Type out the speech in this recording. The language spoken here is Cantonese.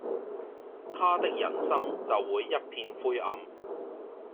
他的人生就會一片灰暗